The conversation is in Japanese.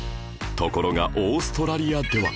ところがオーストラリアでは